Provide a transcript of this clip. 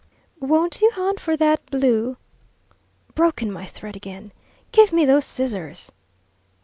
"Won't you hunt for that blue " "Broken my thread again!" "Give me those scissors!"